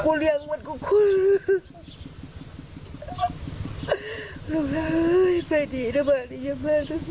อื้ม